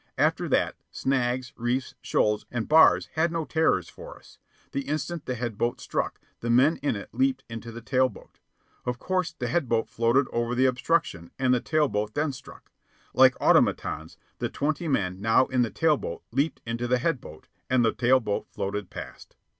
After that, snags, reefs, shoals, and bars had no terrors for us. The instant the head boat struck, the men in it leaped into the tail boat. Of course, the head boat floated over the obstruction and the tail boat then struck. Like automatons, the twenty men now in the tail boat leaped into the head boat, and the tail boat floated past.